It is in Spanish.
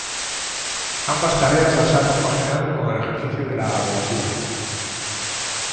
Ambas tareas las ha compaginado con el ejercicio de la abogacía.